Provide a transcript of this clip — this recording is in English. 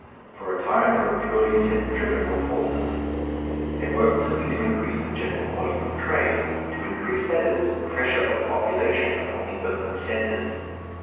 For a time they were purely centripetal forces. They worked simply to increase the general volume of trade, to increase, that is, the pressure of population upon the urban centres.